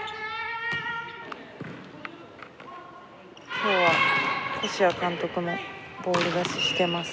今日は越谷監督もボール出ししてます。